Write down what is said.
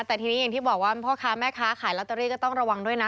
แต่ทีนี้อย่างที่บอกว่าพ่อค้าแม่ค้าขายลอตเตอรี่ก็ต้องระวังด้วยนะ